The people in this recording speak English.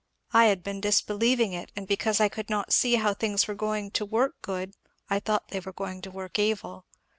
I had been disbelieving it, and because I could not see how things were going to work good I thought they were going to work evil.